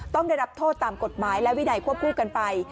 ต้องได้รับโทษตามกฎหมายและวินัยควบคู่กันไป